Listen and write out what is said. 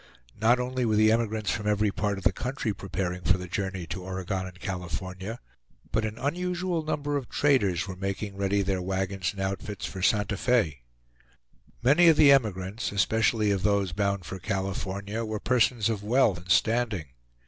Not only were emigrants from every part of the country preparing for the journey to Oregon and California, but an unusual number of traders were making ready their wagons and outfits for Santa Fe. Many of the emigrants, especially of those bound for California, were persons of wealth and standing.